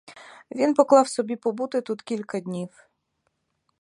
Він поклав собі побути тут кілька днів.